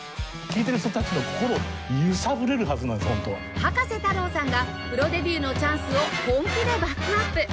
葉加瀬太郎さんがプロデビューのチャンスを本気でバックアップ！